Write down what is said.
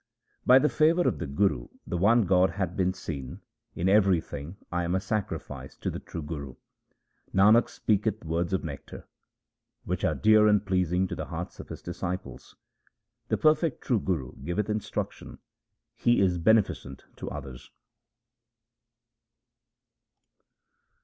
By the favour of the Guru the one God hath been seen ; in everything I am a sacrifice to the true Guru. Nanak speaketh words of nectar Which are dear and pleasing to the hearts of his disciples. The perfect true Guru giveth instruction ; he is benefi cent to others.